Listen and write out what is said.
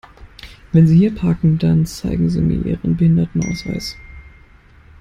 Wenn Sie hier parken, dann zeigen Sie mir Ihren Behindertenausweis!